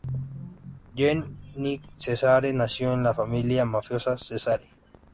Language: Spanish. Jenny Cesare nació en la familia mafiosa Cesare.